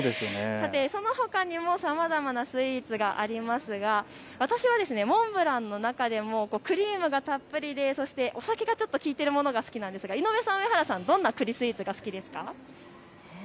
そのほかにもさまざまなスイーツがありますが私はモンブランの中でもクリームがたっぷりでお酒がちょっときいているものが好きなんですが井上さん、上原さんはどんなくりスイーツが好きですか。